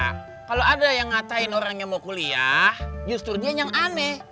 kalau ada yang ngatain orangnya mau kuliah justru nya yang aneh